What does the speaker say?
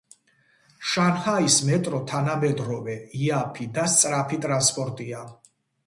შანჰაის მეტრო თანამედროვე, იაფი და სწრაფი ტრანსპორტია.